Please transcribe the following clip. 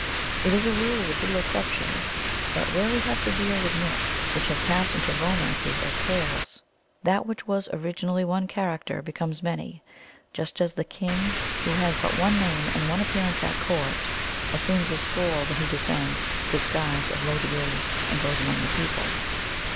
It is a rule with little exception that where we have to deal with myths which have passed into romances or tales, that 272 THE ALGONQUIN LEGENDS. which was originally one character becomes many, just as the king who has but one name and one ap pearance at court assumes a score when he descends to disguise of low degree and goes among the people.